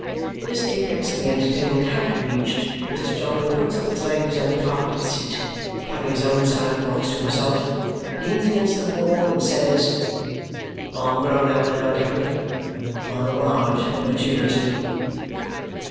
This apex of the entertainment happily reached, Mr. Jobling puts up his legs on the carpeted seat (having his own side of the box to himself), leans against the wall, and says, "I am grown up now, Guppy. I have arrived at maturity."